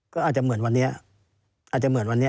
ก็อาจจะเหมือนวันนี้